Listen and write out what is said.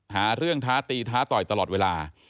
หาเรื่องท้าตีท้าต่อยตลอดเวลา